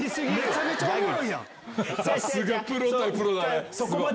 さすがプロ対プロだね。